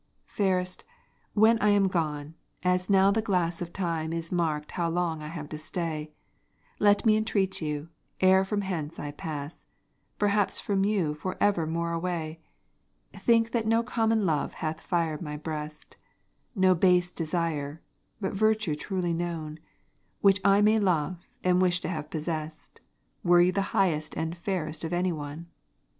Fairest, when I am gone, as now the glass Of Time is marked how long I have to stay, Let me entreat you, ere from hence I pass, Perhaps from you for ever more away, Think that no common love hath fired my breast, No base desire, but virtue truly known, Which I may love, and wish to have possessed, Were you the highest as fairest of any one.